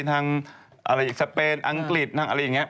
ทางสเปนอังกฤษอะไรอย่างเงี้ย